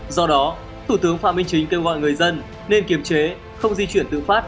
do đó thủ tướng phạm minh chính kêu gọi người dân nên kiềm chế không di chuyển tự phát